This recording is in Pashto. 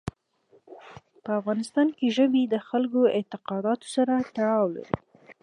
په افغانستان کې ژبې د خلکو اعتقاداتو سره تړاو لري.